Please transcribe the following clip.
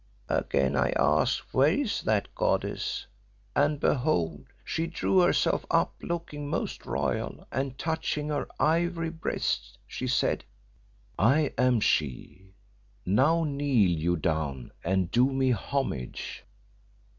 "Again I asked where is that goddess, and behold! she drew herself up, looking most royal, and touching her ivory breast, she said, 'I am She. Now kneel you down and do me homage!